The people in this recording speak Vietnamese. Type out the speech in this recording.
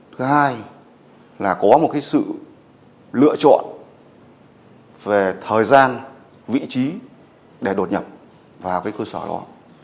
thứ hai là có một sự lựa chọn về thời gian vị trí để đột nhập vào cái cơ sở đó